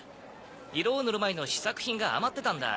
色を塗る前の試作品が余ってたんだ。